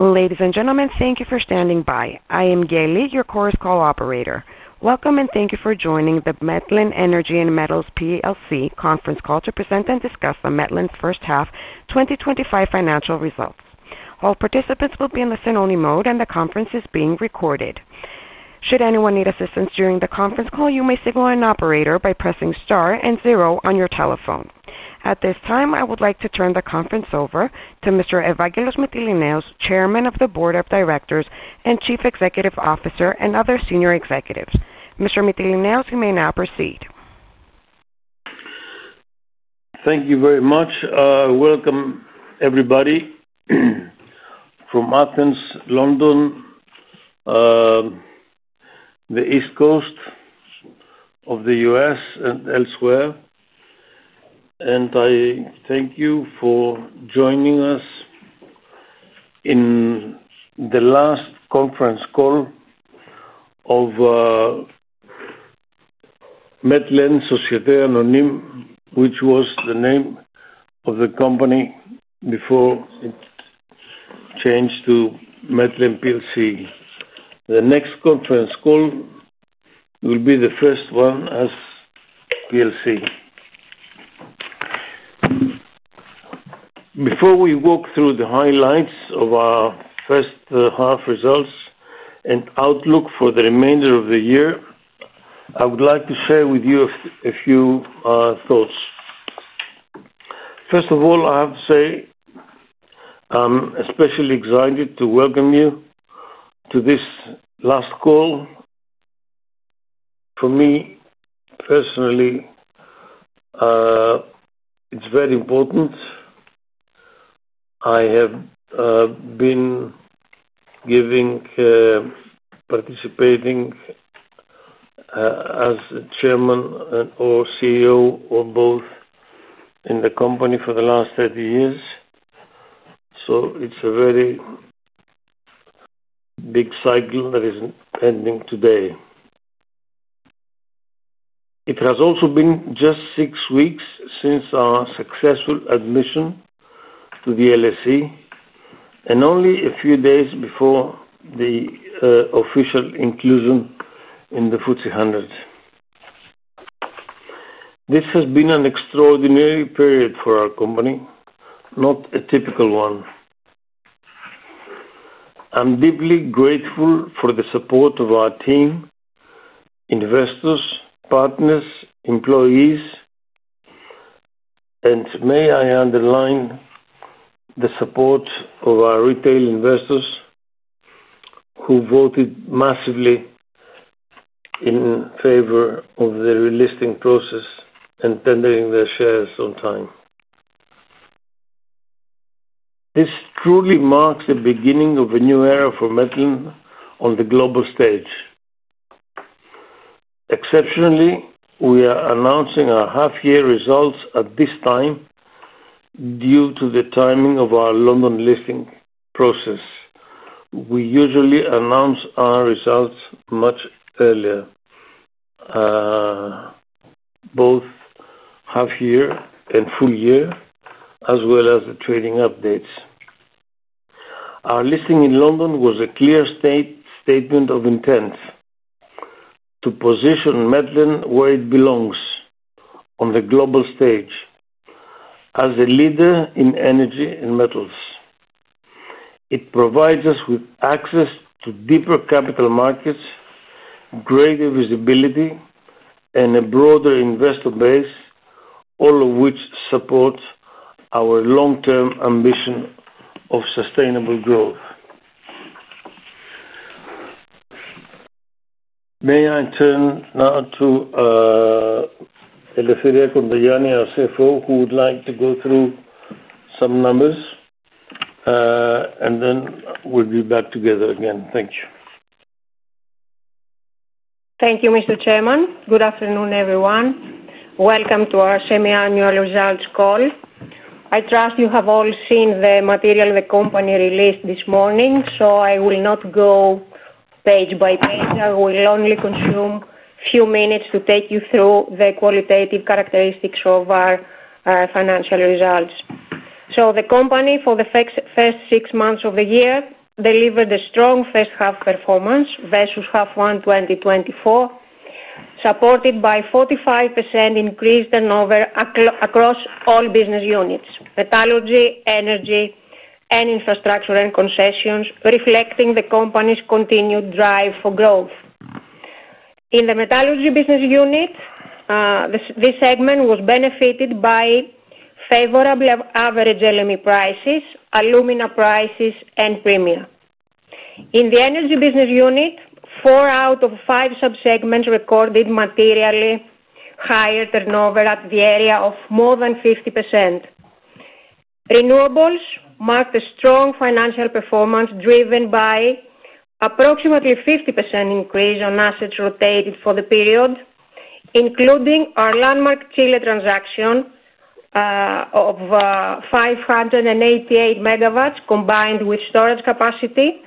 Ladies and gentlemen, thank you for standing by. I am Geli, your Chorus Call operator. Welcome and thank you for joining the Metlen Energy & Metals PLC conference call to present and discuss Metlen's first half 2025 financial results. All participants will be in listen-only mode, and the conference is being recorded. Should anyone need assistance during the conference call, you may signal an operator by pressing star and zero on your telephone. At this time, I would like to turn the conference over to Mr. Evangelos Mytilineos, Chairman of the Board of Directors and Chief Executive Officer, and other senior executives. Mr. Mytilineos, you may now proceed. Thank you very much. Welcome, everybody, from Athens, London, the East Coast of the U.S., and elsewhere. I thank you for joining us in the last conference call of Metlen Société Anonyme, which was the name of the company before it changed to Metlen PLC. The next conference call will be the first one as PLC. Before we walk through the highlights of our first half results and outlook for the remainder of the year, I would like to share with you a few thoughts. First of all, I have to say I'm especially excited to welcome you to this last call. For me, personally, it's very important. I have been participating as Chairman and/or CEO in the company for the last 30 years. It's a very big cycle that is ending today. It has also been just six weeks since our successful admission to the LSE and only a few days before the official inclusion in the FTSE 100. This has been an extraordinary period for our company, not a typical one. I'm deeply grateful for the support of our team, investors, partners, employees, and may I underline the support of our retail investors who voted massively in favor of the relisting process and tendering their shares on time. This truly marks the beginning of a new era for Metlen on the global stage. Exceptionally, we are announcing our half-year results at this time due to the timing of our London listing process. We usually announce our results much earlier, both half-year and full year, as well as the trading updates. Our listing in London was a clear statement of intent to position Metlen where it belongs on the global stage as a leader in energy and metals. It provides us with access to deeper capital markets, greater visibility, and a broader investor base, all of which support our long-term ambition of sustainable growth. May I turn now to Eleftheria Kontogianni, our CFO, who would like to go through some numbers, and then we'll be back together again. Thank you. Thank you, Mr. Chairman. Good afternoon, everyone. Welcome to our semiannual results call. I trust you have all seen the material the company released this morning, so I will not go page by page. I will only consume a few minutes to take you through the qualitative characteristics of our financial results. The company, for the first six months of the year, delivered a strong first-half performance versus half-one 2024, supported by a 45% increase across all business units: metallurgy, energy, and infrastructure and concessions, reflecting the company's continued drive for growth. In the metallurgy business unit, this segment was benefited by favorable average LME prices, alumina prices, and premia. In the energy business unit, four out of five subsegments recorded materially higher turnover at the area of more than 50%. Renewables marked a strong financial performance driven by an approximately 50% increase on assets rotated for the period, including our landmark Chile transaction of 588 mw combined with storage capacity.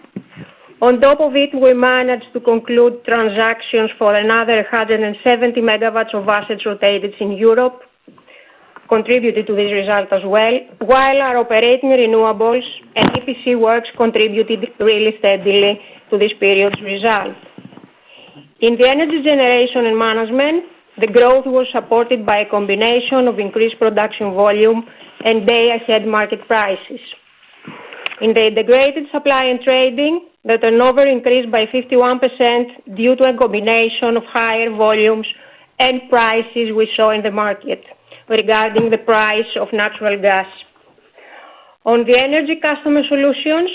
On top of it, we managed to conclude transactions for another 170 mw of assets rotated in Europe, contributed to this result as well. While our operating renewables and EPC works contributed really steadily to this period's result. In the energy generation and management, the growth was supported by a combination of increased production volume and day-ahead market prices. In the integrated supply and trading, the turnover increased by 51% due to a combination of higher volumes and prices we saw in the market regarding the price of natural gas. On the energy customer solutions,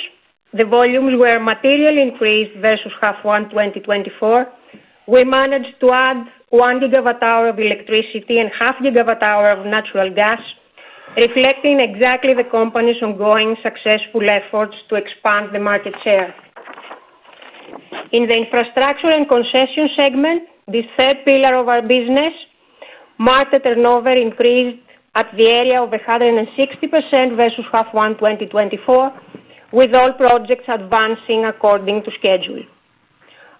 the volumes were materially increased versus half-one 2024. We managed to add 1GWh of electricity and 0.5 GWh of natural gas, reflecting exactly the company's ongoing successful efforts to expand the market share. In the infrastructure and concession segment, this third pillar of our business marked a turnover increase at the area of 160% versus half-one 2024, with all projects advancing according to schedule.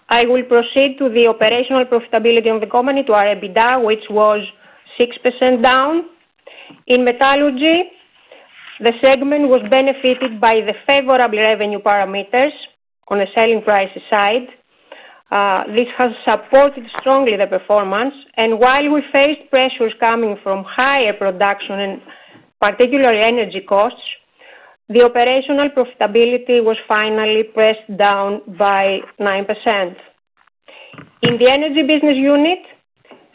I will proceed to the operational profitability of the company to our EBITDA, which was 6% down. In metallurgy, the segment was benefited by the favorable revenue parameters on the selling prices side. This has supported strongly the performance. While we faced pressures coming from higher production and particular energy costs, the operational profitability was finally pressed down by 9%. In the energy business unit,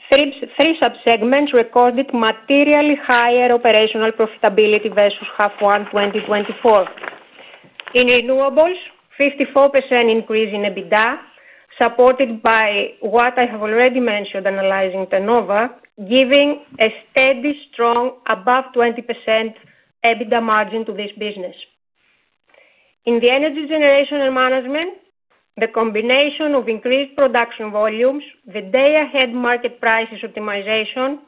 three subsegments recorded materially higher operational profitability versus half-one 2024. In renewables, a 54% increase in EBITDA, supported by what I have already mentioned analyzing turnover, giving a steady, strong, above 20% EBITDA margin to this business. In the energy generation and management, the combination of increased production volumes, the day-ahead market prices optimization,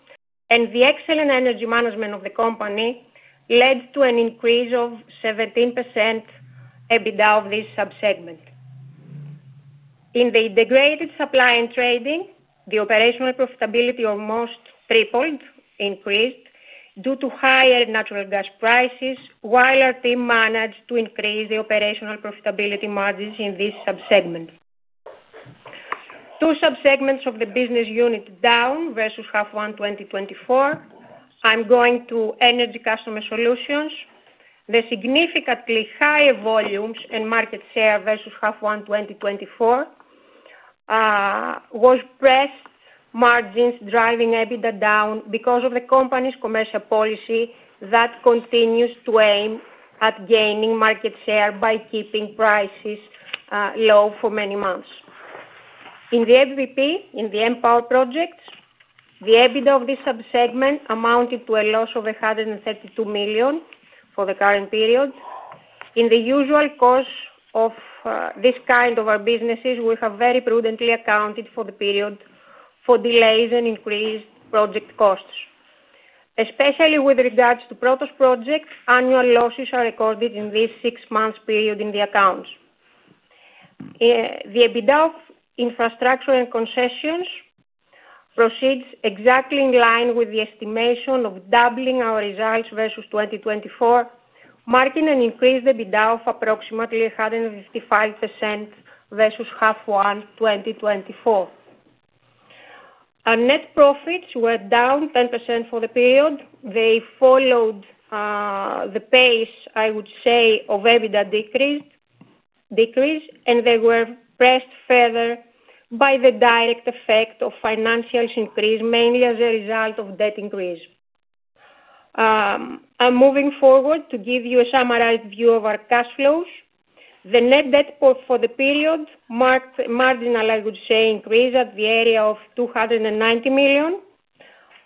and the excellent energy management of the company led to an increase of 17% EBITDA of this subsegment. In the integrated supply and trading, the operational profitability almost tripled, increased due to higher natural gas prices, while our team managed to increase the operational profitability margins in this subsegment. Two subsegments of the business unit down versus half-one 2024. I'm going to energy customer solutions. The significantly higher volumes and market share versus half-one 2024 was pressed margins driving EBITDA down because of the company's commercial policy that continues to aim at gaining market share by keeping prices low for many months. In the MVP, in the Empower projects, the EBITDA of this subsegment amounted to a loss of €132 million for the current period. In the usual cost of this kind of our businesses, we have very prudently accounted for the period for delays and increased project costs. Especially with regards to Protos projects, annual losses are recorded in this six-month period in the accounts. The EBITDA of infrastructure and concessions proceeds exactly in line with the estimation of doubling our results versus 2024, marking an increased EBITDA of approximately 155% versus half-one 2024. Our net profits were down 10% for the period. They followed the pace, I would say, of EBITDA decrease, and they were pressed further by the direct effect of financials increase, mainly as a result of debt increase. I'm moving forward to give you a summarized view of our cash flows. The net debt for the period marked a marginal, I would say, increase at the area of €290 million.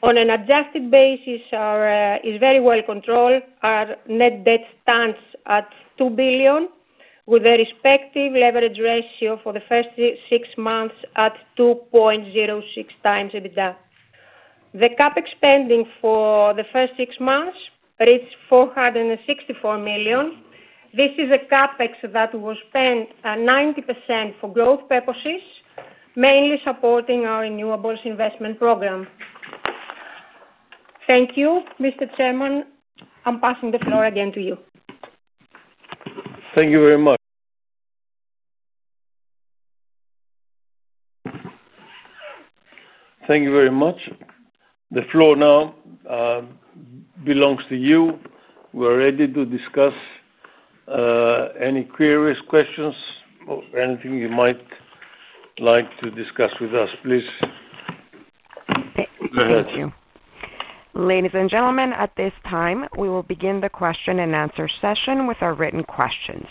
On an adjusted basis, it is very well controlled. Our net debt stands at €2 billion, with a respective leverage ratio for the first six months at 2.06 times EBITDA. The CapEx spending for the first six months reached €464 million. This is a CapEx that was spent at 90% for growth purposes, mainly supporting our renewables investment program. Thank you, Mr. Chairman. I'm passing the floor again to you. Thank you very much. The floor now belongs to you. We're ready to discuss any queries, questions, or anything you might like to discuss with us, please. Thank you. Ladies and gentlemen, at this time, we will begin the question and answer session with our written questions.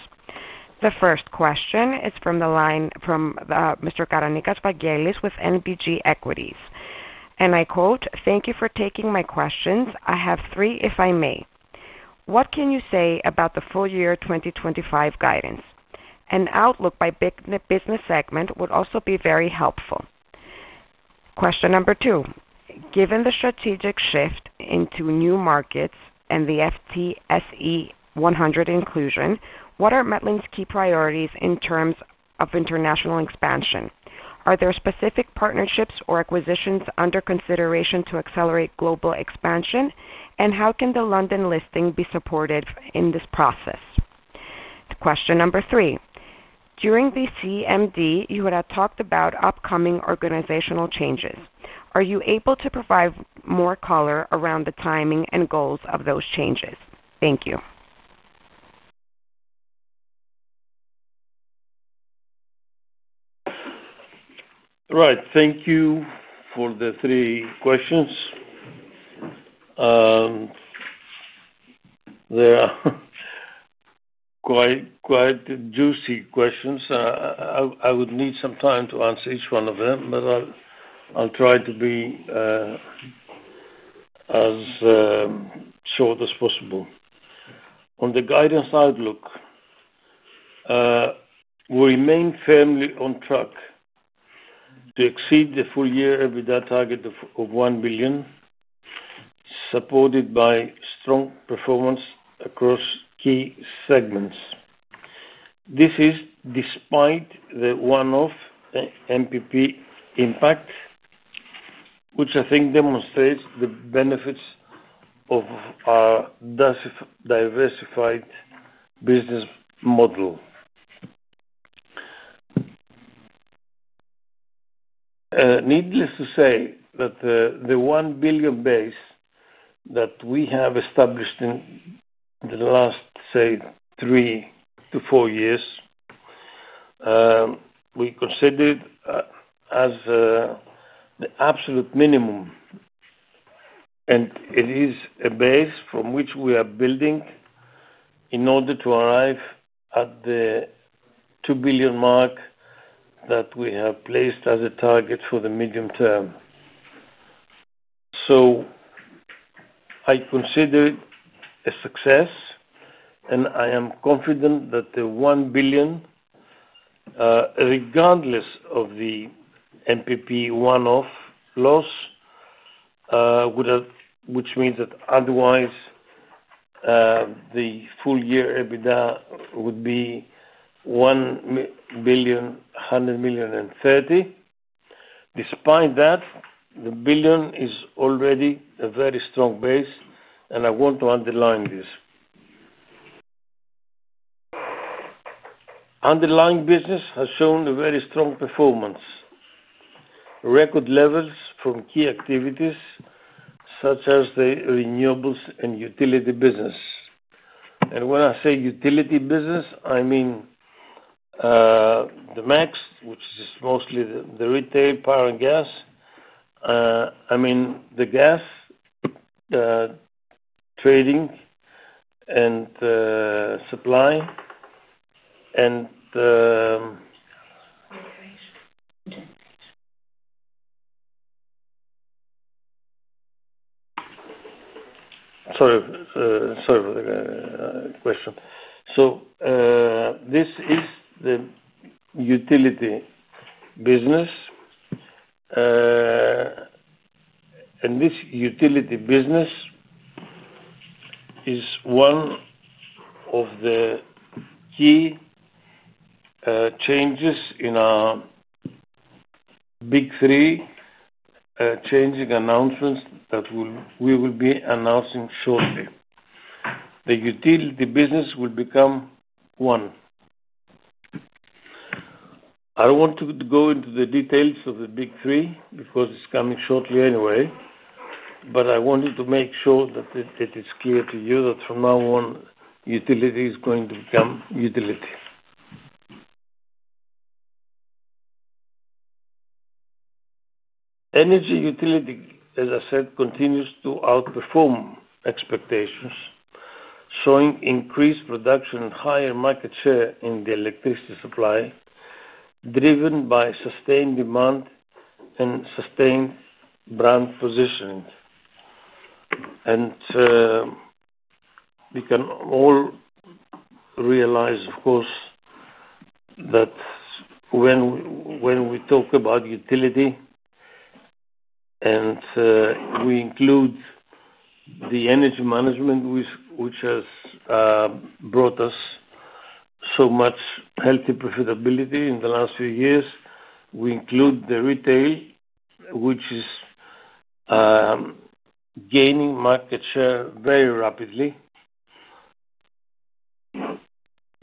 The first question is from the line from Mr. Vangelis Karanikas with NBG Securities. I quote, "Thank you for taking my questions. I have three, if I may. What can you say about the full year 2025 guidance? An outlook by business segment would also be very helpful." Question number two, given the strategic shift into new markets and the FTSE 100 inclusion, what are Metlen's key priorities in terms of international expansion? Are there specific partnerships or acquisitions under consideration to accelerate global expansion, and how can the London listing be supported in this process? Question number three, during the CMD, you had talked about upcoming organizational changes. Are you able to provide more color around the timing and goals of those changes? Thank you. Right. Thank you for the three questions. They're quite juicy questions. I would need some time to answer each one of them, but I'll try to be as short as possible. On the guidance outlook, we remain firmly on track to exceed the full-year EBITDA target of €1 billion, supported by strong performance across key segments. This is despite the one-off MPP impact, which I think demonstrates the benefits of our diversified business model. Needless to say that the €1 billion base that we have established in the last, say, three to four years, we consider as the absolute minimum. It is a base from which we are building in order to arrive at the €2 billion mark that we have placed as a target for the medium term. I consider it a success, and I am confident that the €1 billion, regardless of the MPP one-off loss, which means that otherwise, the full-year EBITDA would be €1.13 billion. Despite that, the billion is already a very strong base, and I want to underline this. Underlying business has shown a very strong performance. Record levels from key activities such as the renewables and utility business. When I say utility business, I mean the MEX, which is mostly the retail power and gas. I mean the gas trading and supply. This is the utility business. This utility business is one of the key changes in our big three changing announcements that we will be announcing shortly. The utility business will become one. I don't want to go into the details of the big three because it's coming shortly anyway, but I wanted to make sure that it is clear to you that from now on, utility is going to become utility. Energy utility, as I said, continues to outperform expectations, showing increased production and higher market share in the electricity supply, driven by sustained demand and sustained brand positioning. We can all realize, of course, that when we talk about utility and we include the energy management, which has brought us so much healthy profitability in the last few years, we include the retail, which is gaining market share very rapidly.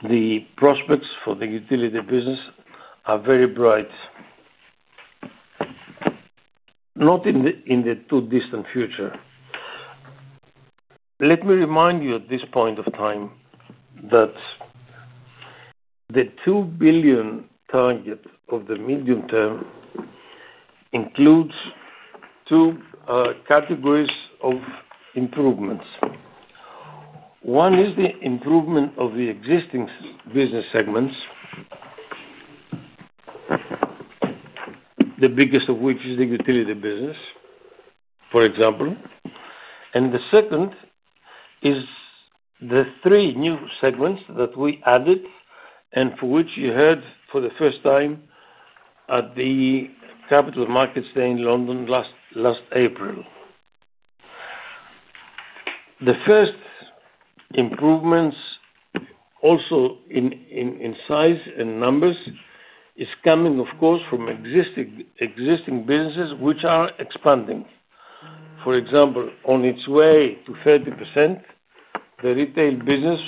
The prospects for the utility business are very bright, not in the too-distant future. Let me remind you at this point of time that the €2 billion target of the medium term includes two categories of improvements. One is the improvement of the existing business segments, the biggest of which is the utility business, for example. The second is the three new segments that we added and for which you heard for the first time at the Capital Markets Day in London last April. The first improvements, also in size and numbers, are coming, of course, from existing businesses which are expanding. For example, on its way to 30%, the retail business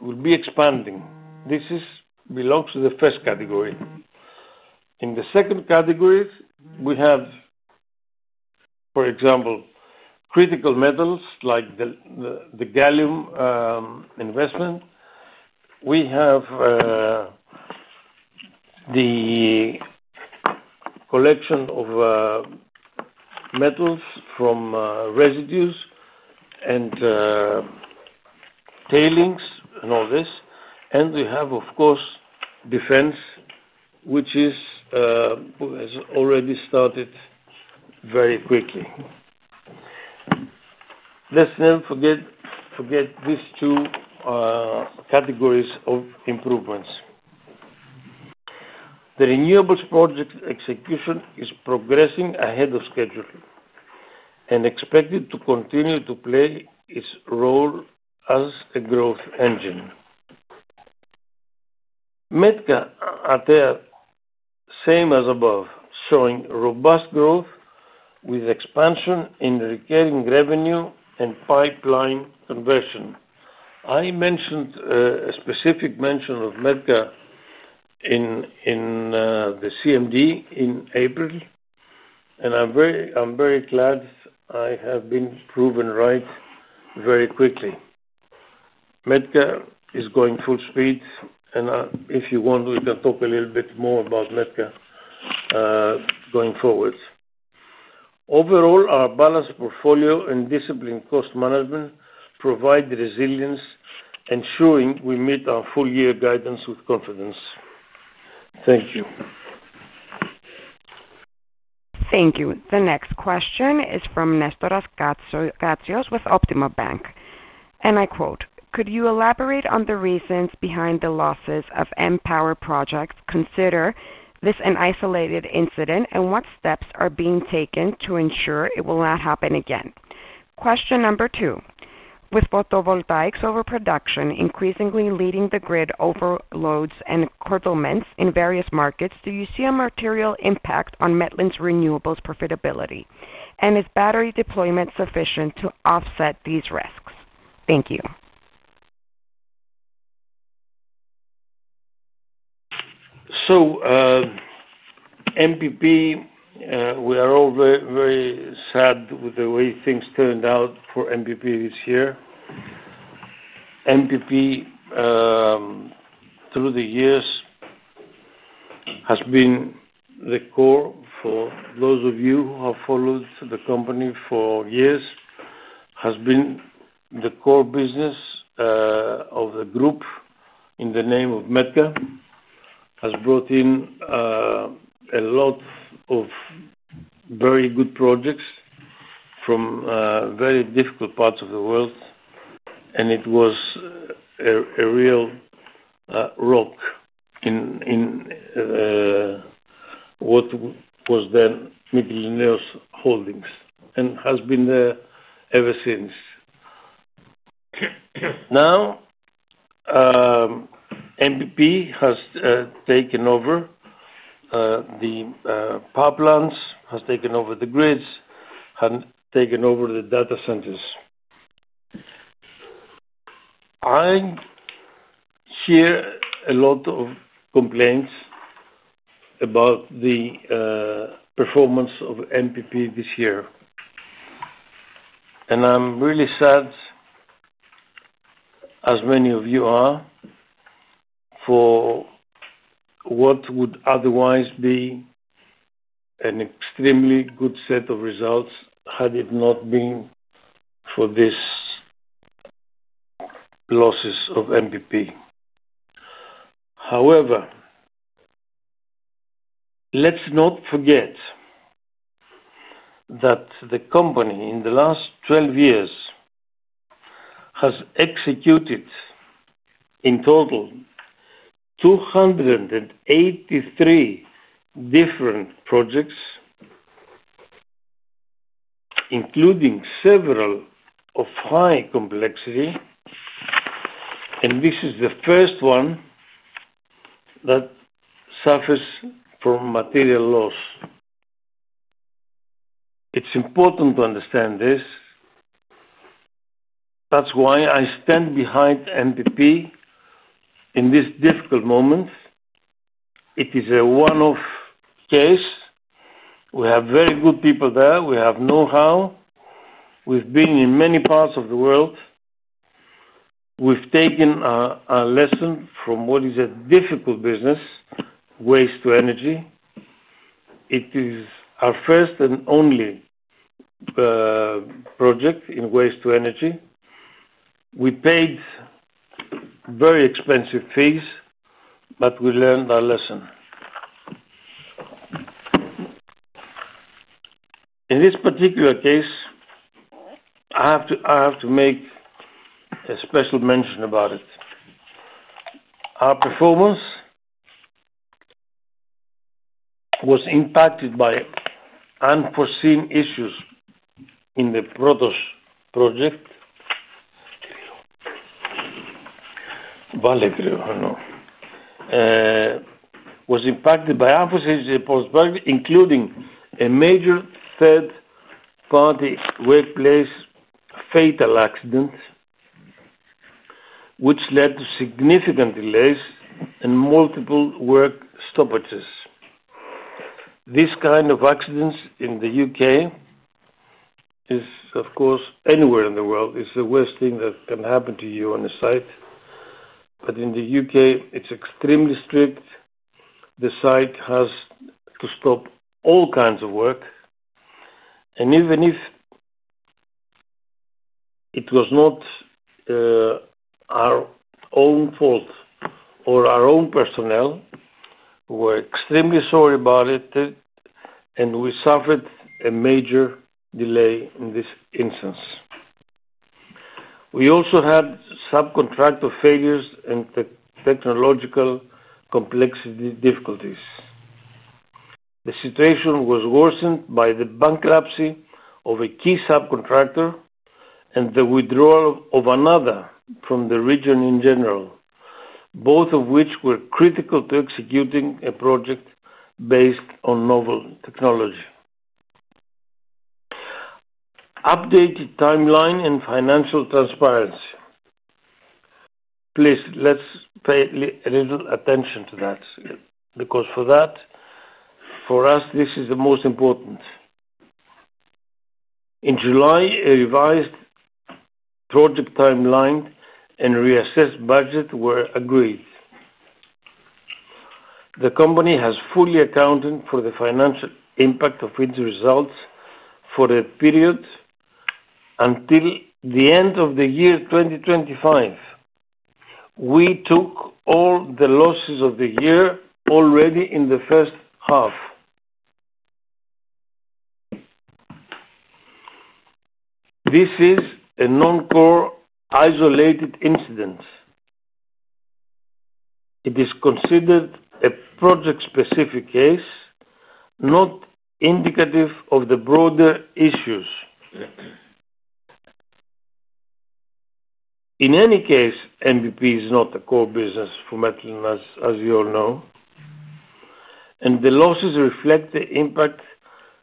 will be expanding. This belongs to the first category. In the second category, we have, for example, critical metals like the gallium investment. We have the collection of metals from residues and tailings and all this. We have, of course, defense, which has already started very quickly. Let's not forget these two categories of improvements. The renewables project execution is progressing ahead of schedule and expected to continue to play its role as a growth engine. Metka are there, same as above, showing robust growth with expansion in recurring revenue and pipeline conversion. I mentioned a specific mention of Metka in the CMD in April, and I'm very glad I have been proven right very quickly. Metka is going full speed, and if you want, we can talk a little bit more about Metka going forward. Overall, our balanced portfolio and disciplined cost management provide resilience, ensuring we meet our full-year guidance with confidence. Thank you. Thank you. The next question is from Nestoras Gracios with Optima Bank. I quote, "Could you elaborate on the reasons behind the losses of Empower projects? Consider this an isolated incident, and what steps are being taken to ensure it will not happen again." Question number two, with photovoltaics overproduction increasingly leading to grid overloads and curtailments in various markets, do you see a material impact on Metlen's renewables profitability? Is battery deployment sufficient to offset these risks? Thank you. MVP, we are all very sad with the way things turned out for MVP this year. MVP, through the years, has been the core for those of you who have followed the company for years, has been the core business of the group in the name of Metka, has brought in a lot of very good projects from very difficult parts of the world. It was a real rock in what was then Mytilineos Holdings and has been there ever since. Now, MVP has taken over the power plants, has taken over the grids, has taken over the data centers. I hear a lot of complaints about the performance of MPP this year. I'm really sad, as many of you are, for what would otherwise be an extremely good set of results had it not been for these losses of MPP. However, let's not forget that the company in the last 12 years has executed in total 283 different projects, including several of high complexity. This is the first one that suffers from material loss. It's important to understand this. That's why I stand behind MPP in this difficult moment. It is a one-off case. We have very good people there. We have know-how. We've been in many parts of the world. We've taken our lesson from what is a difficult business, waste-to-energy. It is our first and only project in waste-to-energy. We paid very expensive fees, but we learned our lesson. In this particular case, I have to make a special mention about it. Our performance was impacted by unforeseen issues in the Protos project. Our performance was impacted by unforeseen issues in the Protos project, including a major third-party workplace fatal accident, which led to significant delays and multiple work stoppages. This kind of accident in the UK is, of course, anywhere in the world, it's the worst thing that can happen to you on the site. In the UK, it's extremely strict. The site has to stop all kinds of work. Even if it was not our own fault or our own personnel, we're extremely sorry about it, and we suffered a major delay in this instance. We also had subcontractor failures and technological complexity difficulties. The situation was worsened by the bankruptcy of a key subcontractor and the withdrawal of another from the region in general, both of which were critical to executing a project based on novel technology. Updated timeline and financial transparency. Please, let's pay a little attention to that because for us, this is the most important. In July, a revised project timeline and reassessed budget were agreed. The company has fully accounted for the financial impact of its results for a period until the end of the year 2025. We took all the losses of the year already in the first half. This is a non-core isolated incident. It is considered a project-specific case, not indicative of the broader issues. In any case, MPP is not a core business for Metlen, as you all know. The losses reflect the impact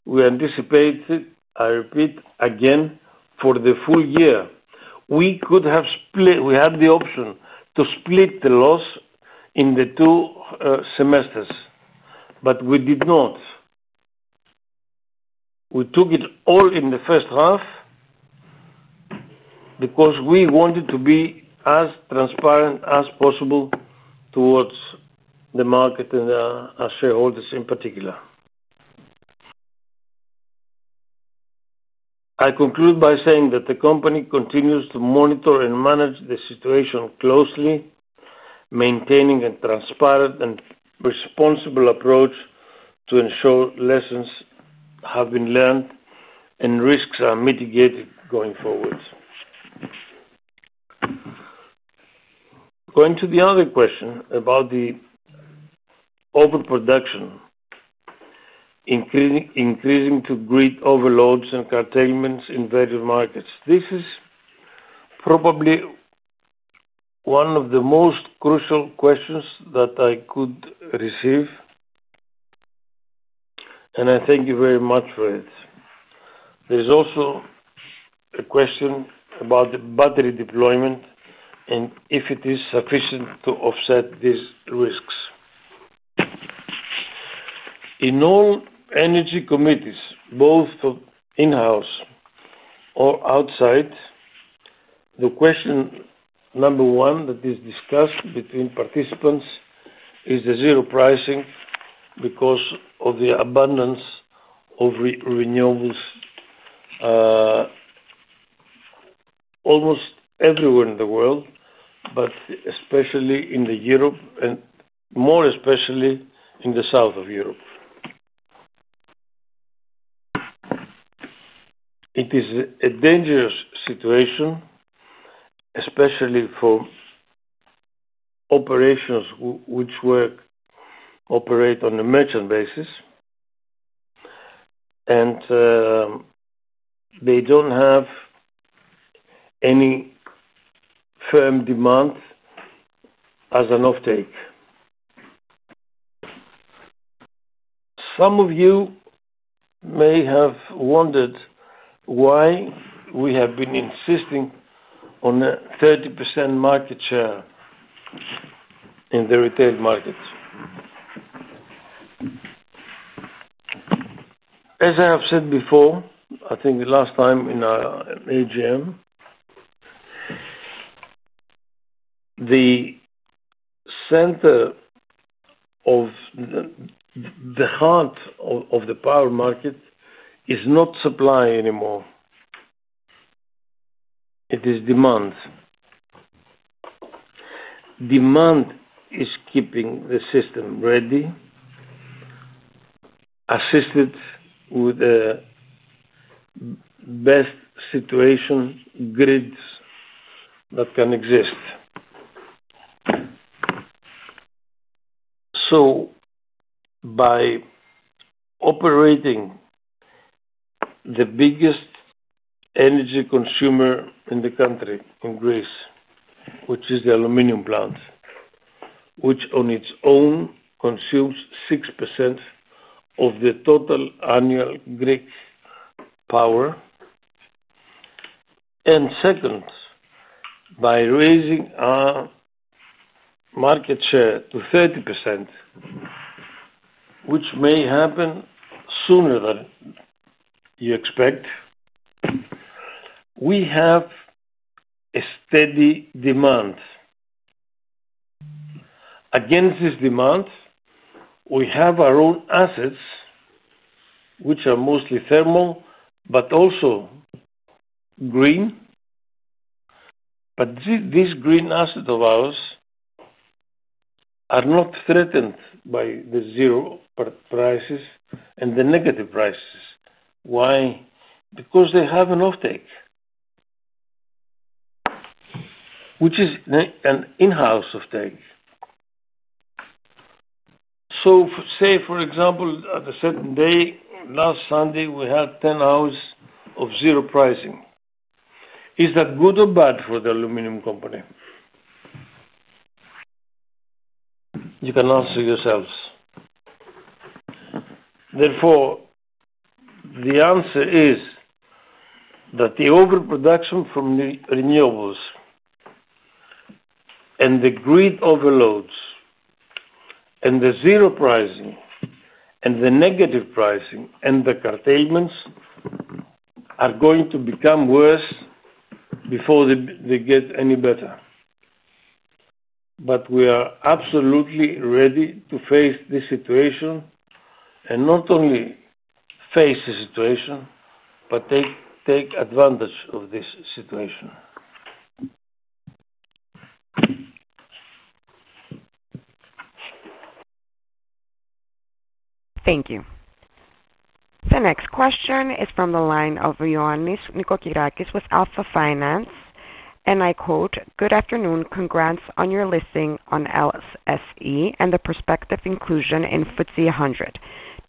we anticipated, I repeat again, for the full year. We had the option to split the loss in the two semesters, but we did not. We took it all in the first half because we wanted to be as transparent as possible towards the market and our shareholders in particular. I conclude by saying that the company continues to monitor and manage the situation closely, maintaining a transparent and responsible approach to ensure lessons have been learned and risks are mitigated going forward. Going to the other question about the overproduction, increasing to grid overloads and curtailments in various markets. This is probably one of the most crucial questions that I could receive, and I thank you very much for it. There's also a question about the battery deployment and if it is sufficient to offset these risks. In all energy committees, both in-house or outside, the question number one that is discussed between participants is the zero pricing because of the abundance of renewables almost everywhere in the world, but especially in Europe and more especially in the south of Europe. It is a dangerous situation, especially for operations which operate on a merchant basis, and they don't have any firm demand as an offtake. Some of you may have wondered why we have been insisting on a 30% market share in the retail markets. As I have said before, I think the last time in our AGM, the center of the heart of the power market is not supply anymore. It is demand. Demand is keeping the system ready, assisted with the best situation grids that can exist. By operating the biggest energy consumer in the country, in Greece, which is the aluminum plant, which on its own consumes 6% of the total annual Greek power, and second, by raising our market share to 30%, which may happen sooner than you expect, we have a steady demand. Against this demand, we have our own assets, which are mostly thermal, but also green. These green assets of ours are not threatened by the zero prices and the negative prices. Why? Because they have an offtake, which is an in-house offtake. For example, at a certain day, last Sunday, we had 10 hours of zero pricing. Is that good or bad for the aluminum company? You can answer yourselves. Therefore, the answer is that the overproduction from the renewables and the grid overloads and the zero pricing and the negative pricing and the curtailments are going to become worse before they get any better. We are absolutely ready to face this situation, and not only face the situation, but take advantage of this situation. Thank you. The next question is from the line of Ioannis Nikokirakis with Alpha Finance. I quote, "Good afternoon. Congrats on your listing on LSE and the prospective inclusion in FTSE 100.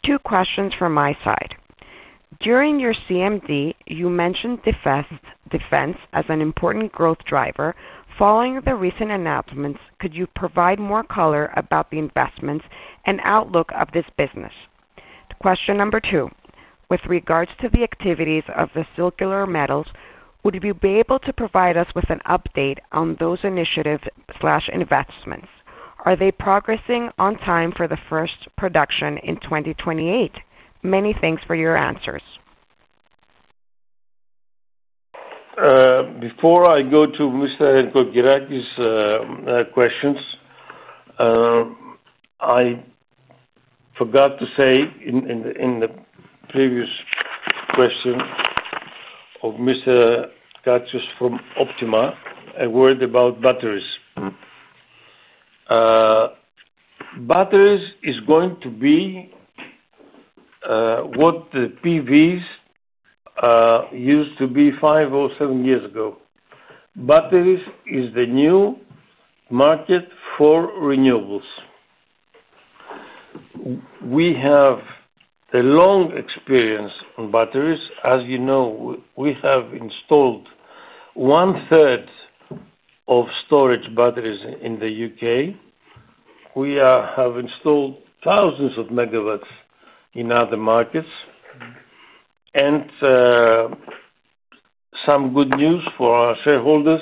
Two questions from my side. During your CMD, you mentioned defense as an important growth driver. Following the recent announcements, could you provide more color about the investments and outlook of this business?" The question number two, with regards to the activities of the circular metals, would you be able to provide us with an update on those initiatives/investments? Are they progressing on time for the first production in 2028? Many thanks for your answers. Before I go to Mr. Nikokirakis's questions, I forgot to say in the previous question of Mr. Gracios from Optima, a word about batteries. Batteries are going to be what the PVs used to be five or seven years ago. Batteries are the new market for renewables. We have a long experience on batteries. As you know, we have installed one-third of storage batteries in the UK. We have installed thousands of megawatts in other markets. Some good news for our shareholders,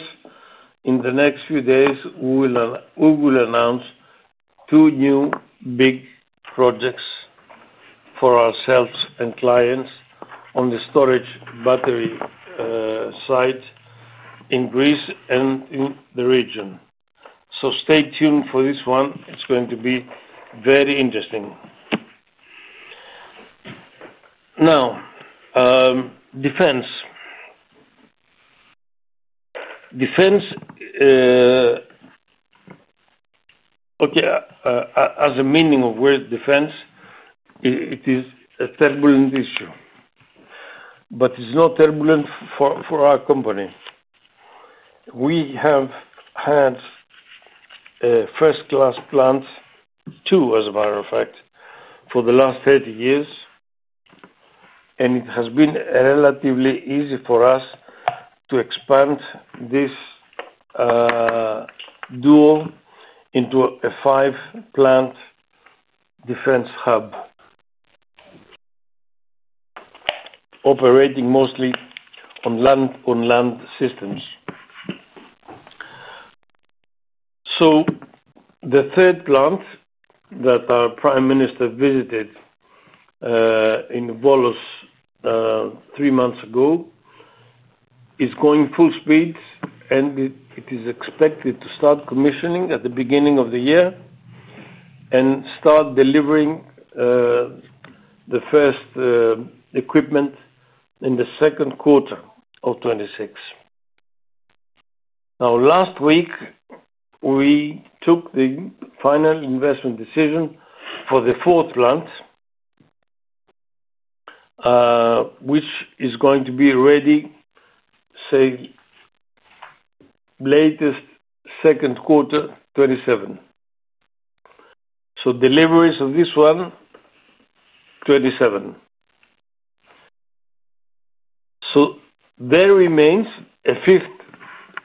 in the next few days, we will announce two new big projects for ourselves and clients on the storage battery site in Greece and in the region. Stay tuned for this one. It's going to be very interesting. Now, defense. Defense, as a meaning of word defense, it is a turbulent issue, but it's not turbulent for our company. We have had first-class plants, two, as a matter of fact, for the last 30 years, and it has been relatively easy for us to expand this duo into a five-plant defense hub operating mostly on land systems. The third plant that our Prime Minister visited in Volos three months ago is going full speed, and it is expected to start commissioning at the beginning of the year and start delivering the first equipment in the second quarter of 2026. Last week, we took the final investment decision for the fourth plant, which is going to be ready, say, latest second quarter 2027. Deliveries of this one, 2027. There remains a fifth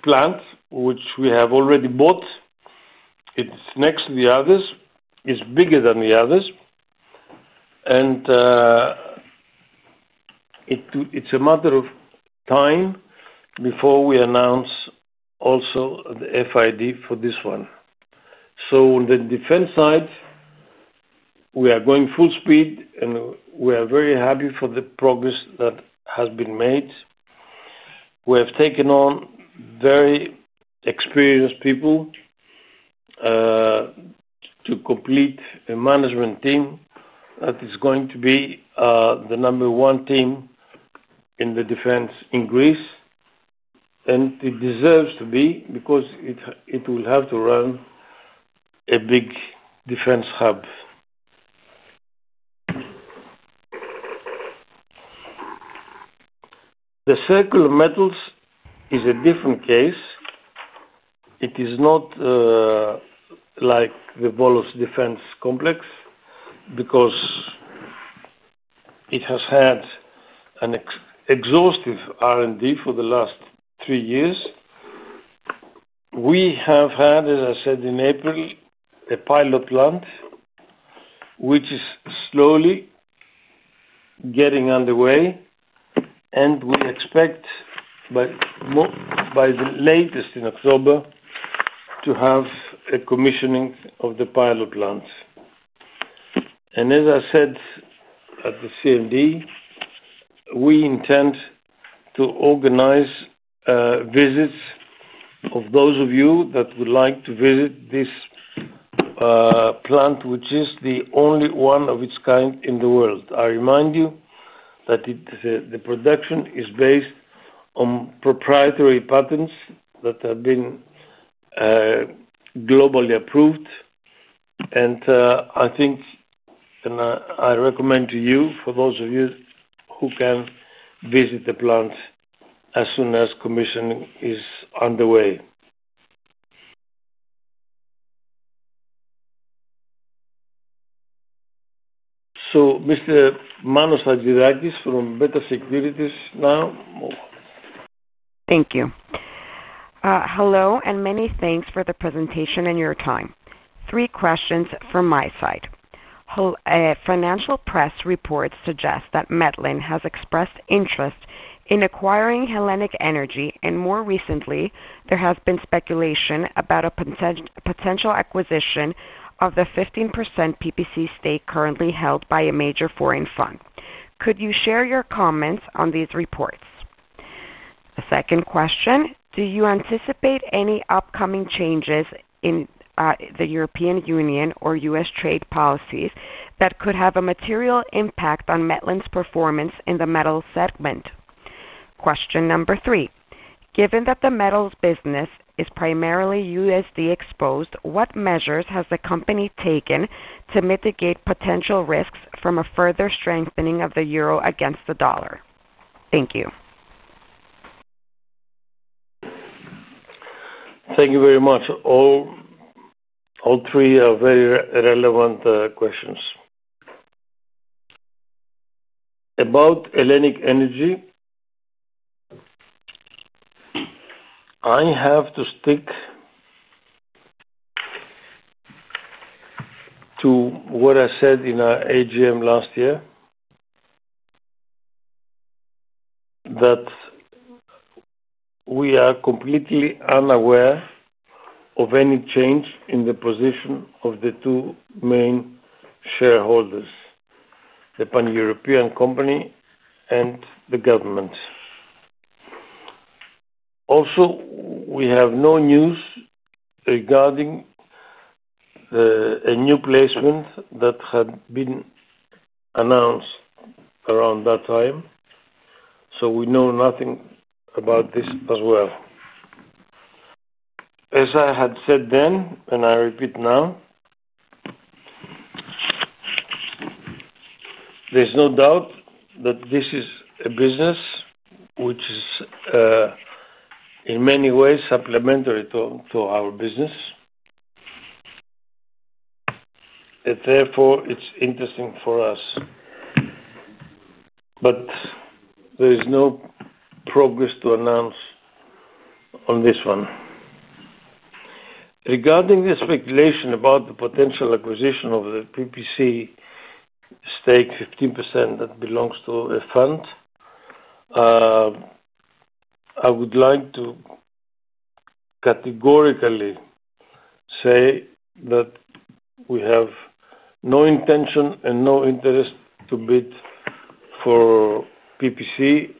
plant which we have already bought. It's next to the others. It's bigger than the others. It's a matter of time before we announce also the FID for this one. On the defense side, we are going full speed, and we are very happy for the progress that has been made. We have taken on very experienced people to complete a management team that is going to be the number one team in the defense in Greece. It deserves to be because it will have to run a big defense hub. The circular metals is a different case. It is not like the Volos defense complex because it has had an exhaustive R&D for the last three years. We have had, as I said, in April, a pilot plant, which is slowly getting underway. We expect by the latest in October to have a commissioning of the pilot plants. As I said at the CMD, we intend to organize visits of those of you that would like to visit this plant, which is the only one of its kind in the world. I remind you that the production is based on proprietary patents that have been globally approved. I think, and I recommend to you, for those of you who can visit the plants as soon as commissioning is underway. Mr. Manos Chatzidakis from Better Securities now. Thank you. Hello, and many thanks for the presentation and your time. Three questions from my side. Financial press reports suggest that Metlen has expressed interest in acquiring Hellenic Energy, and more recently, there has been speculation about a potential acquisition of the 15% PPC stake currently held by a major foreign fund. Could you share your comments on these reports? A second question, do you anticipate any upcoming changes in the European Union or U.S. trade policies that could have a material impact on Metlen's performance in the metal segment? Question number three, given that the metals business is primarily USD exposed, what measures has the company taken to mitigate potential risks from a further strengthening of the euro against the dollar? Thank you. Thank you very much. All three are very relevant questions. About Hellenic Energy, I have to stick to what I said in our AGM last year, that we are completely unaware of any change in the position of the two main shareholders, the pan-European company and the government. Also, we have no news regarding a new placement that had been announced around that time. We know nothing about this as well. As I had said then, and I repeat now, there's no doubt that this is a business which is, in many ways, supplementary to our business. Therefore, it's interesting for us. There is no progress to announce on this one. Regarding the speculation about the potential acquisition of the PPC stake 15% that belongs to a fund, I would like to categorically say that we have no intention and no interest to bid for PPC,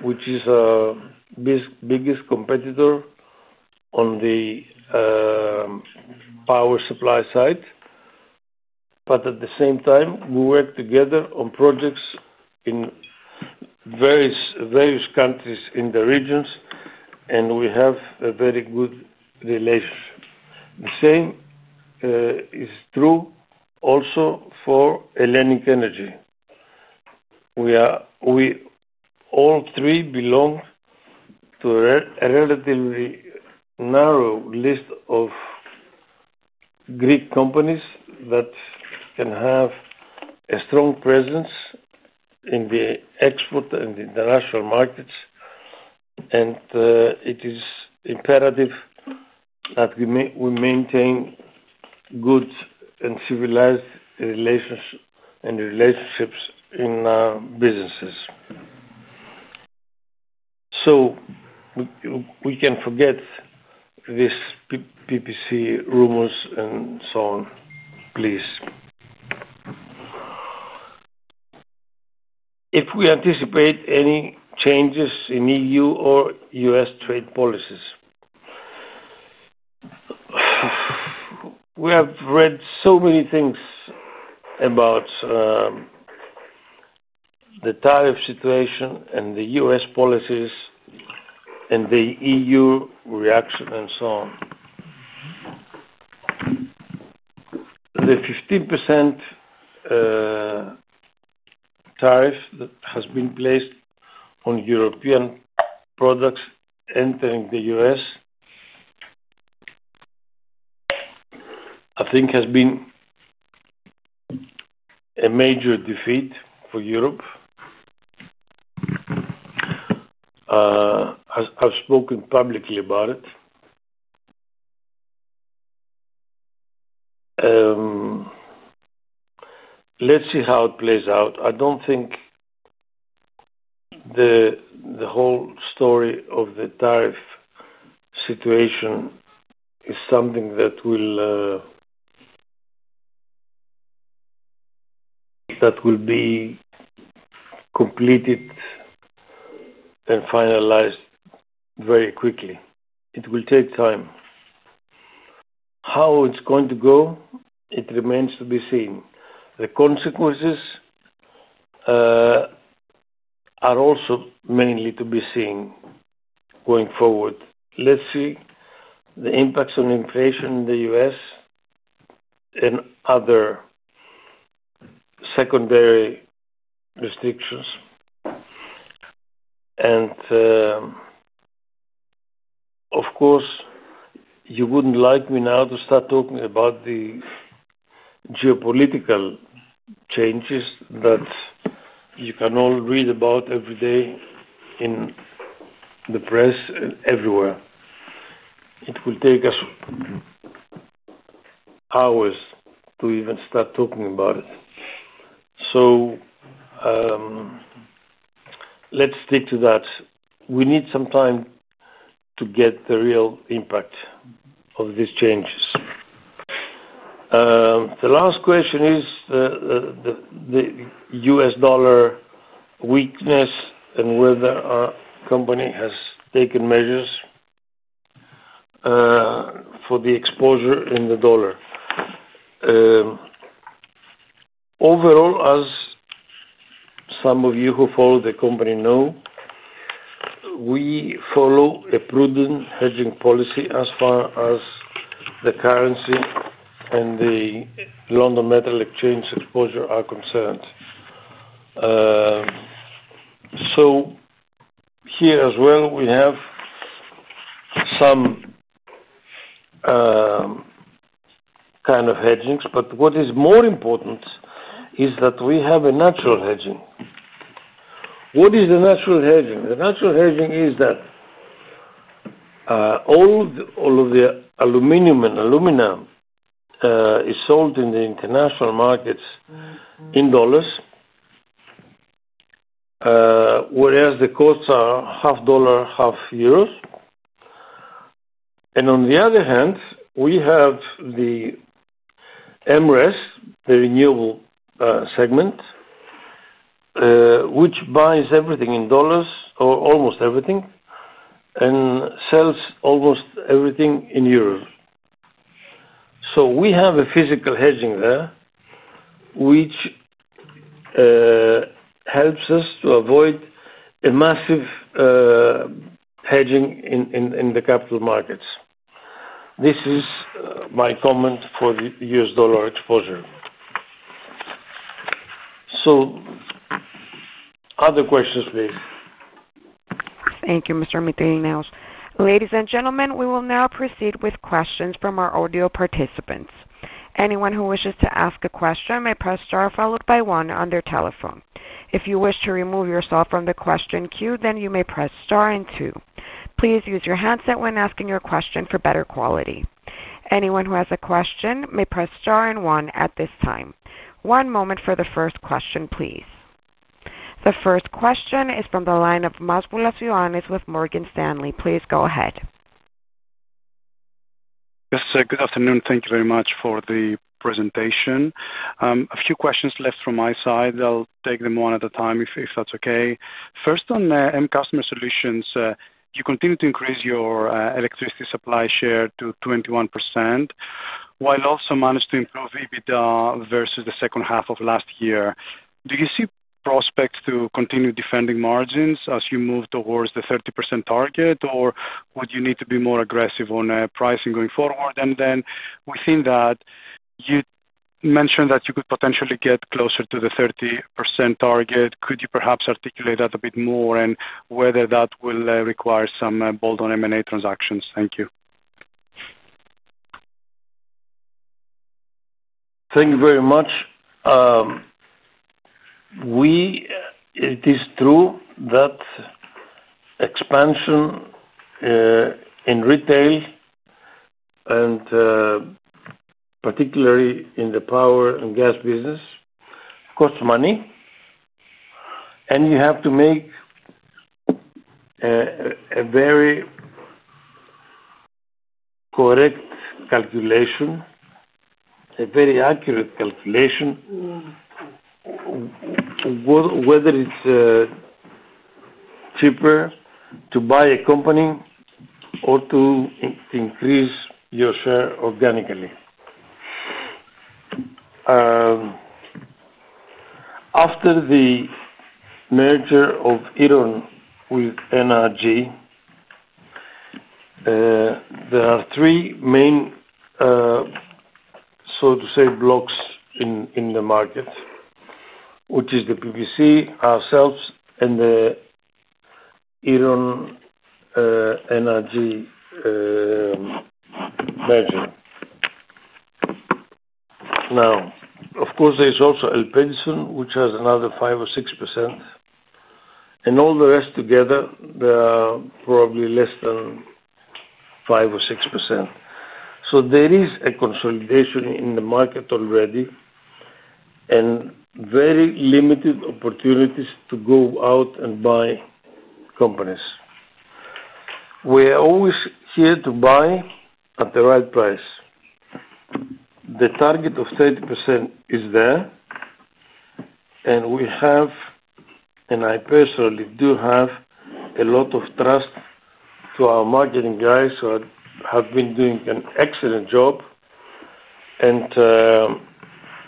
which is our biggest competitor on the power supply side. At the same time, we work together on projects in various countries in the regions, and we have a very good relationship. The same is true also for Hellenic Energy. We all three belong to a relatively narrow list of Greek companies that can have a strong presence in the export and international markets. It is imperative that we maintain good and civilized relationships in businesses. We can forget these PPC rumors and so on, please. If we anticipate any changes in EU or U.S. trade policies, we have read so many things about the tariff situation and the U.S. policies and the EU reaction and so on. The 15% tariff that has been placed on European products entering the U.S., I think, has been a major defeat for Europe. I've spoken publicly about it. Let's see how it plays out. I don't think the whole story of the tariff situation is something that will be completed and finalized very quickly. It will take time. How it's going to go, it remains to be seen. The consequences are also mainly to be seen going forward. Let's see the impacts on inflation in the U.S. and other secondary restrictions. Of course, you wouldn't like me now to start talking about the geopolitical changes that you can all read about every day in the press and everywhere. It will take us hours to even start talking about it. Let's stick to that. We need some time to get the real impact of these changes. The last question is the U.S. dollar weakness and whether our company has taken measures for the exposure in the dollar. Overall, as some of you who follow the company know, we follow a prudent hedging policy as far as the currency and the London Metal Exchange exposure are concerned. Here as well, we have some kind of hedgings. What is more important is that we have a natural hedging. What is the natural hedging? The natural hedging is that all of the aluminum and aluminum is sold in the international markets in dollars, whereas the costs are half dollar, half euros. On the other hand, we have the MRES, the renewable segment, which buys everything in dollars or almost everything and sells almost everything in euros. We have a physical hedging there, which helps us to avoid a massive hedging in the capital markets. This is my comment for the U.S. dollar exposure. Other questions, please. Thank you, Mr. Mytilineos. Ladies and gentlemen, we will now proceed with questions from our audio participants. Anyone who wishes to ask a question may press star followed by one on their telephone. If you wish to remove yourself from the question queue, then you may press star and two. Please use your handset when asking your question for better quality. Anyone who has a question may press star and one at this time. One moment for the first question, please. The first question is from the line of Masvoulas Ioannis with Morgan Stanley. Please go ahead. Yes, good afternoon. Thank you very much for the presentation. A few questions left from my side. I'll take them one at a time if that's okay. First, on M-Customer Solutions, you continue to increase your electricity supply share to 21% while also managing to improve EBITDA versus the second half of last year. Do you see prospects to continue defending margins as you move towards the 30% target, or would you need to be more aggressive on pricing going forward? Within that, you mentioned that you could potentially get closer to the 30% target. Could you perhaps articulate that a bit more and whether that will require some bold on M&A transactions? Thank you. Thank you very much. It is true that expansion in retail, and particularly in the power and gas business, costs money. You have to make a very correct calculation, a very accurate calculation, whether it's cheaper to buy a company or to increase your share organically. After the merger of Iron with NRG, there are three main, so to say, blocks in the market, which is the PPC, ourselves, and the Iron Energy merger. Now, of course, there's also Elpension, which has another 5% or 6%. All the rest together, they're probably less than 5% or 6%. There is a consolidation in the market already and very limited opportunities to go out and buy companies. We are always here to buy at the right price. The target of 30% is there. I personally do have a lot of trust to our marketing guys who have been doing an excellent job.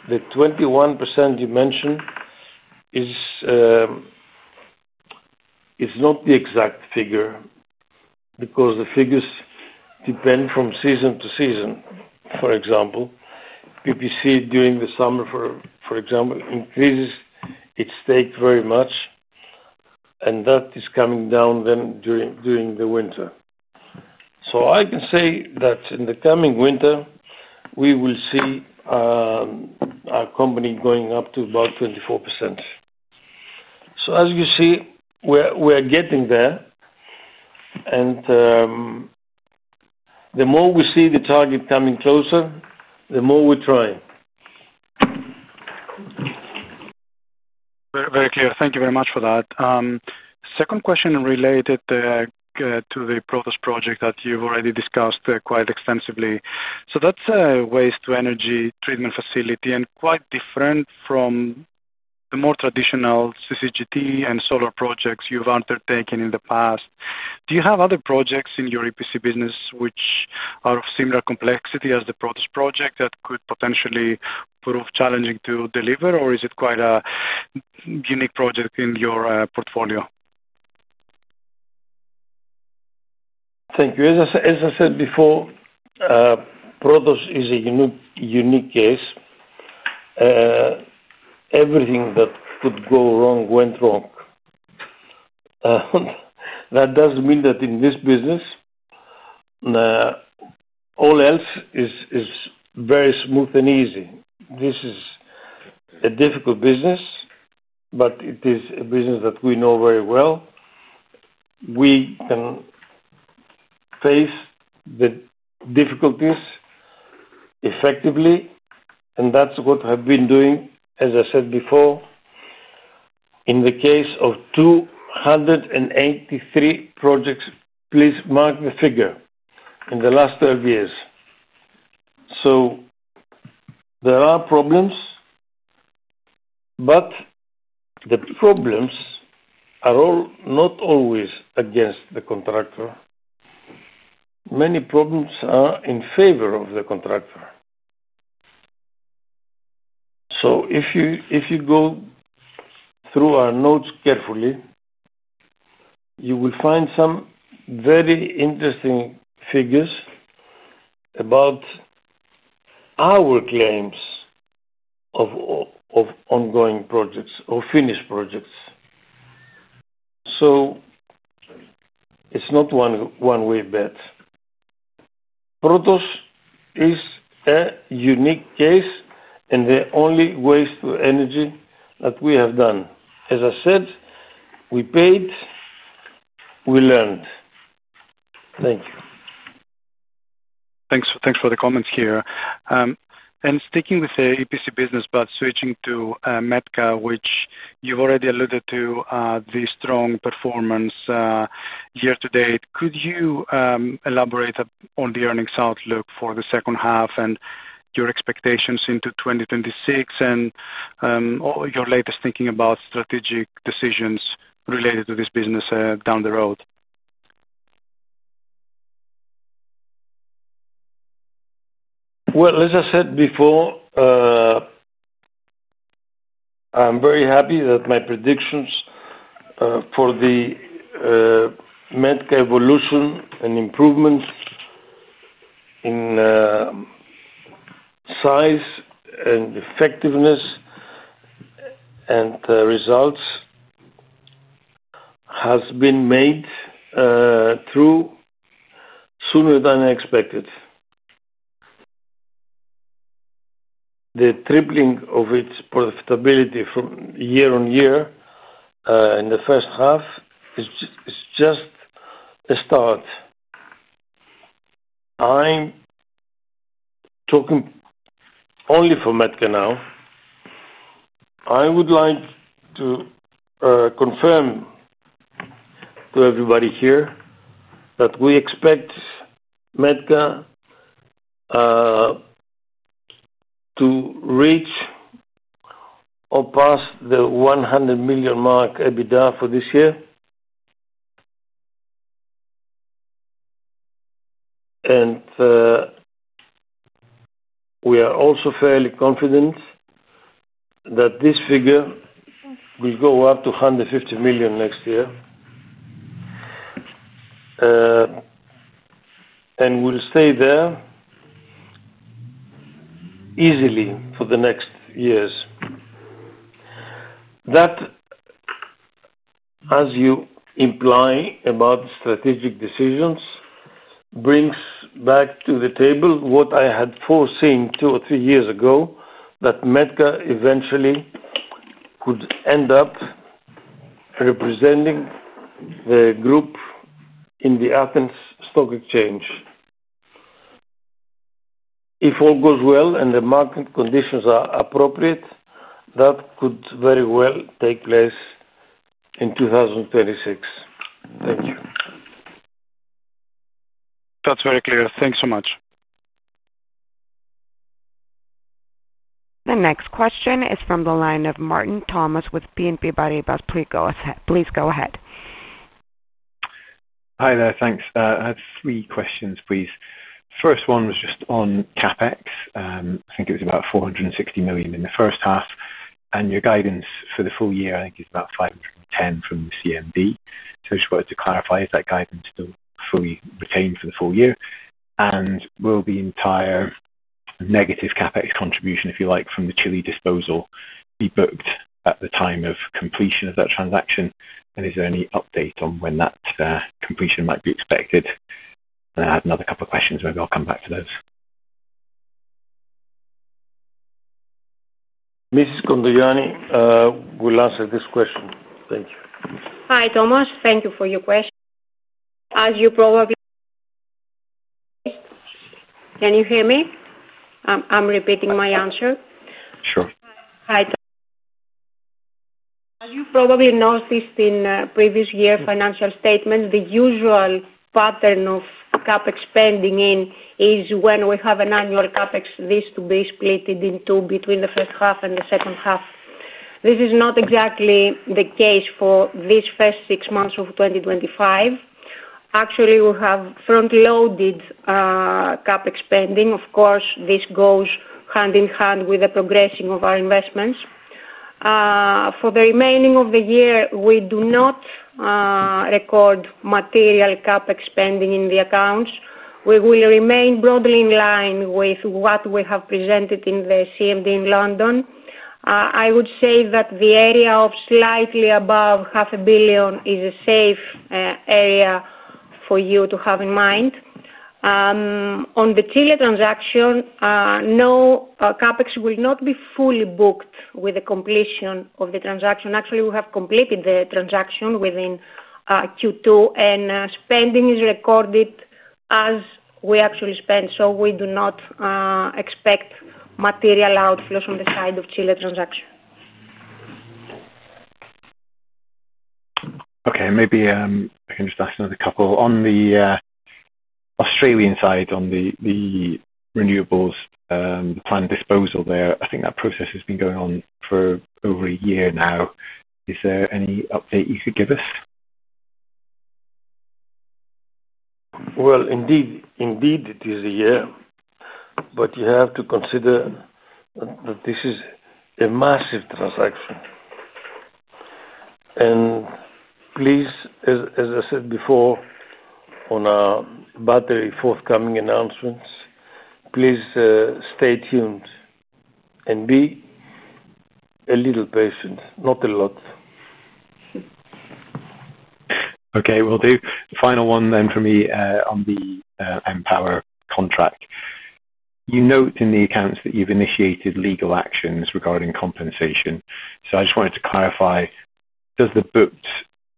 The 21% you mentioned is not the exact figure because the figures depend from season to season. For example, PPC during the summer, for example, increases its stake very much, and that is coming down then during the winter. I can say that in the coming winter, we will see our company going up to about 24%. As you see, we are getting there. The more we see the target coming closer, the more we try. Very clear. Thank you very much for that. Second question related to the Protos project that you've already discussed quite extensively. That's a waste-to-energy treatment facility and quite different from the more traditional CCGT and solar projects you've undertaken in the past. Do you have other projects in your EPC business which are of similar complexity as the Protos project that could potentially prove challenging to deliver, or is it quite a unique project in your portfolio? Thank you. As I said before, Protos is a unique case. Everything that could go wrong went wrong. That doesn't mean that in this business, all else is very smooth and easy. This is a difficult business, but it is a business that we know very well. We can face the difficulties effectively. That's what I've been doing, as I said before, in the case of 283 projects. Please mark the figure in the last 12 years. There are problems, but the problems are all not always against the contractor. Many problems are in favor of the contractor. If you go through our notes carefully, you will find some very interesting figures about our claims of ongoing projects or finished projects. It's not a one-way bet. Protos is a unique case and the only waste-to-energy that we have done. As I said, we paid, we learned. Thank you. Thanks for the comments here. Sticking with the EPC business, but switching to Metka, which you've already alluded to, the strong performance year to date, could you elaborate on the earnings outlook for the second half and your expectations into 2026 and your latest thinking about strategic decisions related to this business down the road? As I said before, I'm very happy that my predictions for the Metka evolution and improvement in size and effectiveness and results have been made through sooner than I expected. The tripling of its profitability from year on year in the first half is just a start. I'm talking only for Metka now. I would like to confirm to everybody here that we expect Metka to reach or pass the €100 million mark EBITDA for this year. We are also fairly confident that this figure will go up to €150 million next year and will stay there easily for the next years. That, as you imply about strategic decisions, brings back to the table what I had foreseen two or three years ago that Metka eventually could end up representing the group in the Athens Stock Exchange. If all goes well and the market conditions are appropriate, that could very well take place in 2026. Thank you. That's very clear. Thanks so much. The next question is from the line of Martin Thomas with BNP Paribas Exane. Please go ahead. Hi there. Thanks. I have three questions, please. The first one was just on CapEx. I think it was about €460 million in the first half, and your guidance for the full year, I think, is about €510 million from the CMD. I just wanted to clarify, is that guidance still fully retained for the full year? Will the entire negative CapEx contribution, if you like, from the Chile disposal be booked at the time of completion of that transaction? Is there any update on when that completion might be expected? I had another couple of questions. Maybe I'll come back to those. Mrs. Kontogianni will answer this question. Thank you. Hi, Thomas. Thank you for your question. As you probably... Can you hear me? I'm repeating my answer. Sure. As you probably noticed in previous year financial statements, the usual pattern of CapEx spending is when we have an annual CapEx list to be split in two between the first half and the second half. This is not exactly the case for these first six months of 2025. Actually, we have front-loaded CapEx spending. Of course, this goes hand in hand with the progressing of our investments. For the remaining of the year, we do not record material CapEx spending in the accounts. We will remain broadly in line with what we have presented in the CMD in London. I would say that the area of slightly above half a billion is a safe area for you to have in mind. On the Chile transaction, no, CapEx will not be fully booked with the completion of the transaction. Actually, we have completed the transaction within Q2, and spending is recorded as we actually spend. We do not expect material outflows from the side of Chile transaction. Okay. Maybe I can just ask another couple. On the Australian side, on the renewables, the planned disposal there, I think that process has been going on for over a year now. Is there any update you could give us? It is a year, but you have to consider that this is a massive transaction. Please, as I said before on our battery forthcoming announcements, please stay tuned and be a little patient, not a lot. Okay. The final one for me on the Empower contract. You note in the accounts that you've initiated legal actions regarding compensation. I just wanted to clarify, does the booked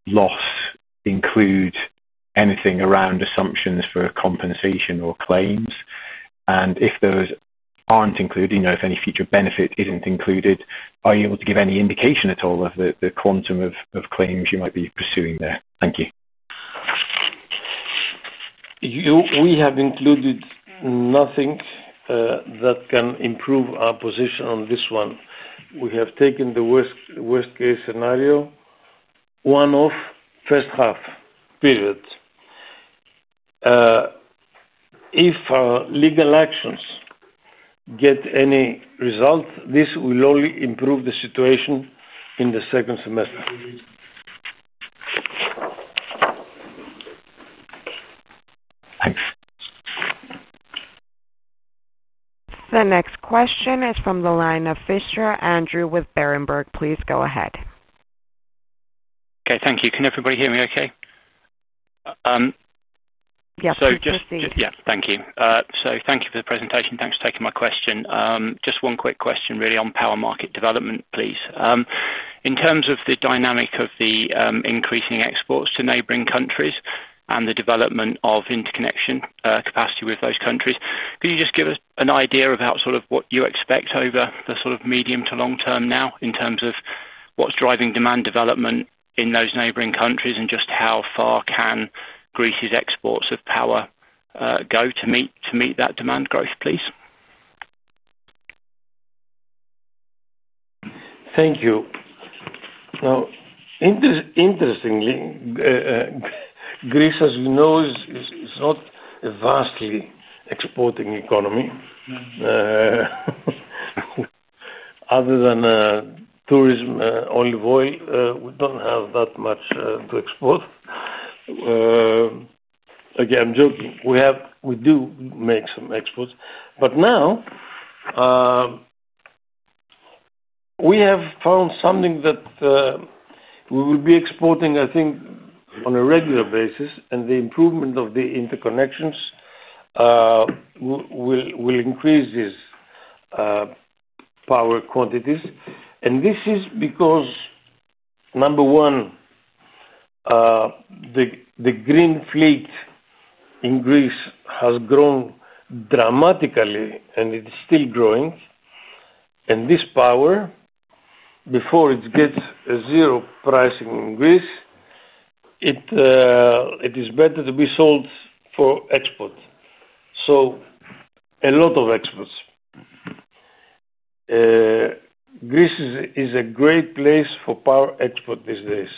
loss include anything around assumptions for compensation or claims? If those aren't included, if any future benefit isn't included, are you able to give any indication at all of the quantum of claims you might be pursuing there? Thank you. We have included nothing that can improve our position on this one. We have taken the worst-case scenario, one-off first half period. If our legal actions get any results, this will only improve the situation in the second semester. The next question is from the line of Andrew Fischer with Berenberg. Please go ahead. Okay, thank you. Can everybody hear me okay? Yes, we can still hear you. Thank you. Thank you for the presentation. Thanks for taking my question. Just one quick question, really, on power market development, please. In terms of the dynamic of the increasing exports to neighboring countries and the development of interconnection capacity with those countries, could you just give us an idea about what you expect over the medium to long term now in terms of what's driving demand development in those neighboring countries and just how far can Greece's exports of power go to meet that demand growth, please? Thank you. Now, interestingly, Greece, as you know, is not a vastly exporting economy. Other than tourism and olive oil, we don't have that much to export. Again, I'm joking. We do make some exports. Now, we have found something that we will be exporting, I think, on a regular basis, and the improvement of the interconnections will increase these power quantities. This is because, number one, the green fleet in Greece has grown dramatically, and it is still growing. This power, before it gets a zero pricing in Greece, is better to be sold for export. A lot of exports. Greece is a great place for power export these days.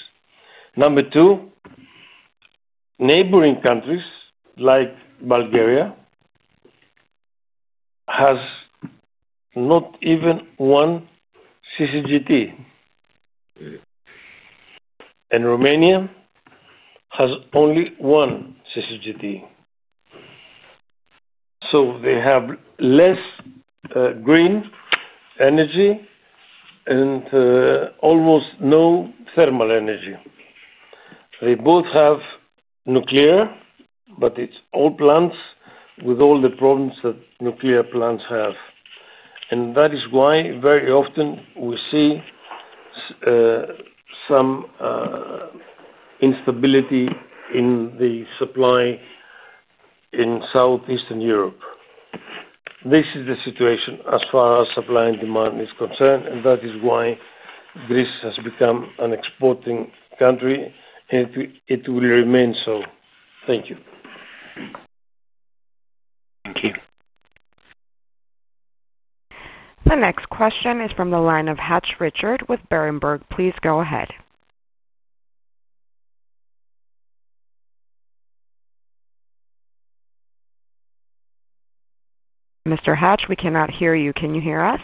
Number two, neighboring countries like Bulgaria have not even one CCGT. Romania has only one CCGT. They have less green energy and almost no thermal energy. They both have nuclear, but it's old plants with all the problems that nuclear plants have. That is why very often we see some instability in the supply in Southeast Europe. This is the situation as far as supply and demand is concerned, which is why Greece has become an exporting country, and it will remain so. Thank you. The next question is from the line of Richard Hatch with Berenberg. Please go ahead. Mr. Hatch, we cannot hear you. Can you hear us?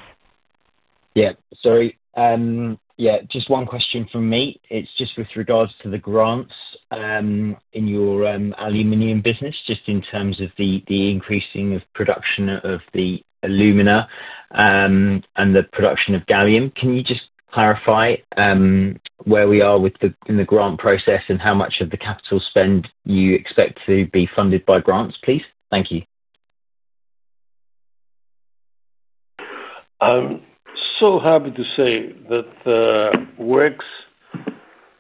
Yeah, sorry. Yeah, just one question from me. It's just with regards to the grants in your aluminum business, just in terms of the increasing production of the alumina and the production of gallium. Can you just clarify where we are in the grant process and how much of the capital spend you expect to be funded by grants, please? Thank you. I'm so happy to say that it works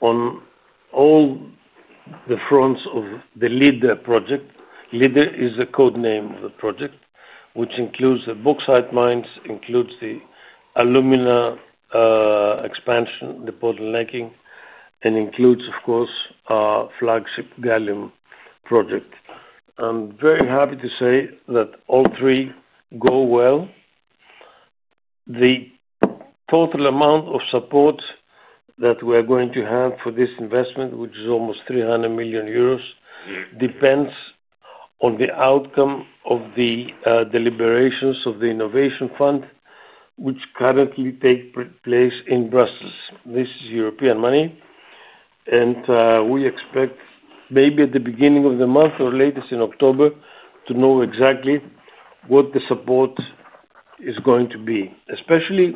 on all the fronts of the LIDER project. LIDER is the code name of the project, which includes the bauxite mines, includes the alumina expansion, the podlocking, and includes, of course, our flagship gallium project. I'm very happy to say that all three go well. The total amount of support that we are going to have for this investment, which is almost €300 million, depends on the outcome of the deliberations of the innovation fund, which currently takes place in Brussels. This is European money. We expect maybe at the beginning of the month or latest in October to know exactly what the support is going to be, especially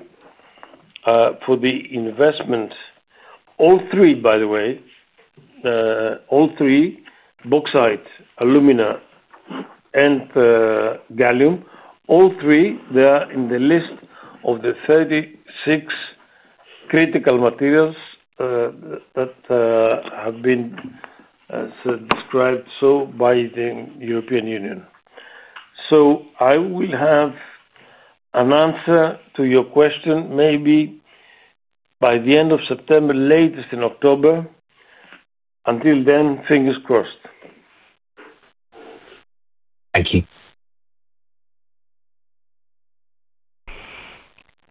for the investments. All three, by the way, all three, bauxite, alumina, and gallium, all three, they are in the list of the 36 critical materials that have been described so by the European Union. I will have an answer to your question maybe by the end of September, latest in October. Until then, fingers crossed. Thank you.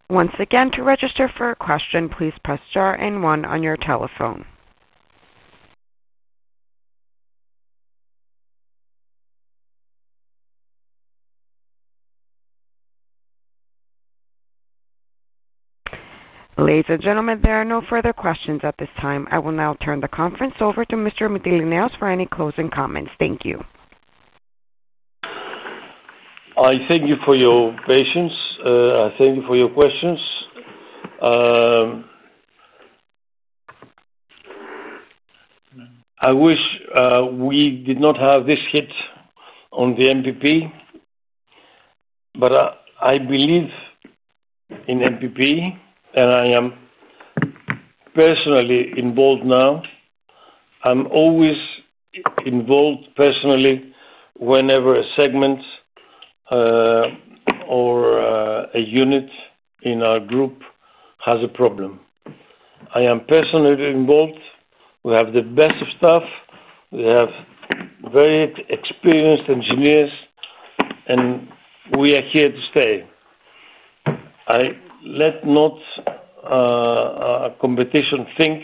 Once again, to register for a question, please press star and one on your telephone. Ladies and gentlemen, there are no further questions at this time. I will now turn the conference over to Mr. Mytilineos for any closing comments. Thank you. I thank you for your patience. I thank you for your questions. I wish we did not have this hit on the NPP, but I believe in NPP, and I am personally involved now. I'm always involved personally whenever a segment or a unit in our group has a problem. I am personally involved. We have the best of staff. We have very experienced engineers, and we are here to stay. I let not a competition think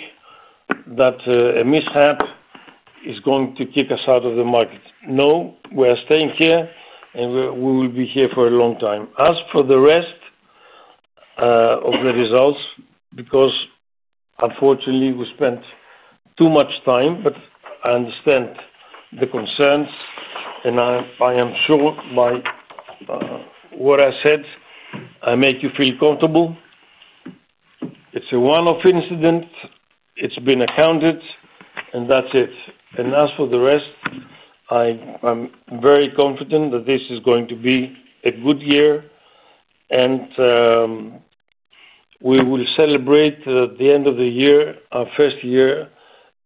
that a mishap is going to kick us out of the market. No, we are staying here, and we will be here for a long time. As for the rest of the results, because unfortunately, we spent too much time, I understand the concerns, and I am sure by what I said, I make you feel comfortable. It's a one-off incident. It's been accounted, and that's it. As for the rest, I'm very confident that this is going to be a good year, and we will celebrate at the end of the year, our first year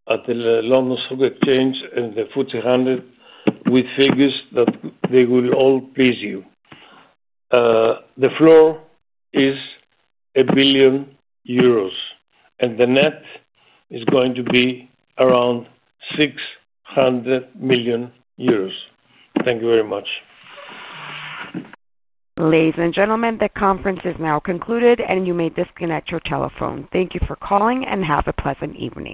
at the London Stock Exchange and the FTSE 100 with figures that they will all please you. The floor is €1 billion, and the net is going to be around €600 million. Thank you very much. Ladies and gentlemen, the conference is now concluded, and you may disconnect your telephone. Thank you for calling, and have a pleasant evening.